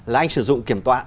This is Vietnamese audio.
là anh sử dụng kiểm toán